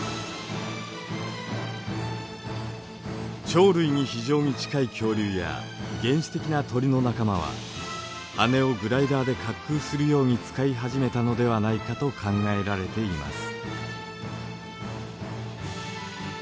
鳥類に非常に近い恐竜や原始的な鳥の仲間は羽をグライダーで滑空するように使い始めたのではないかと考えられています。